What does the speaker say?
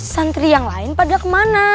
santri yang lain padahal kemana